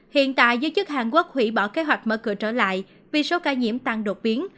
hiện tại giới chức hàn quốc hủy bỏ kế hoạch mở cửa trở lại vì số ca nhiễm tăng đột biến